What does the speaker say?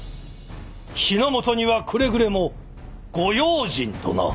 火の元にはくれぐれもご用心とな。